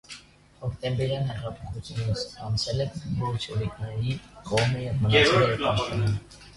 Հոկտեմբերյան հեղափոխությունից հետո անցել է բոլշևիկների կողմը և մնացել իր պաշտոնին։